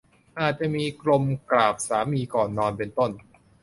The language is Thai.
อาจจะมี "กรมกราบสามีก่อนนอน" เป็นต้น